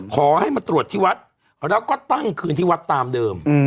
ขอให้มาตรวจที่วัดแล้วก็ตั้งคืนที่วัดตามเดิม